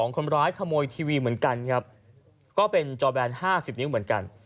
คนร้ายขโมยทีวีเหมือนกันครับก็เป็นจอแบน๕๐นิ้วเหมือนกัน